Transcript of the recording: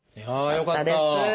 よかったです。